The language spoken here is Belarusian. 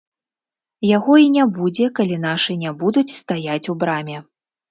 Яго і не будзе, калі нашы не будуць стаяць у браме.